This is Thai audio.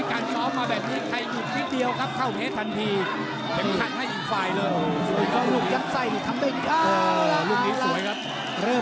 การยอมมาแบบนี้ใครยุบนิดเดียวครับเข้าเพชรทันที